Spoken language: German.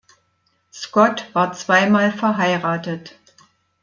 Scott war zweimal verheiratet.